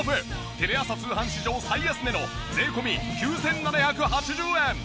テレ朝通販史上最安値の税込９７８０円。